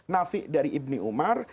nafiq dari ibni umar